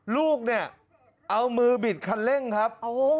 ลูกเนี่ยเอามือบิดคันเร่งครับ